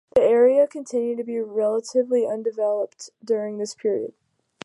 The area continued to be relatively undeveloped during this period.